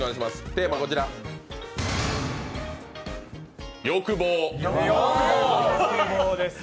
テーマこちら、欲望。